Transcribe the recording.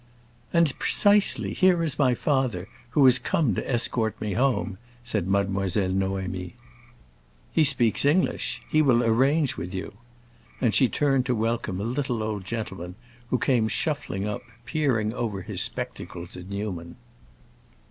"And precisely, here is my father, who has come to escort me home," said Mademoiselle Noémie. "He speaks English. He will arrange with you." And she turned to welcome a little old gentleman who came shuffling up, peering over his spectacles at Newman.